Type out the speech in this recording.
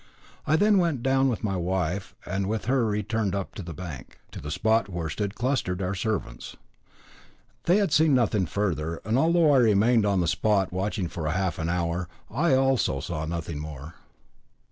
I then went down with my wife, and with her returned up the bank, to the spot where stood clustered our servants. They had seen nothing further; and although I remained on the spot watching for half an hour, I also saw nothing more.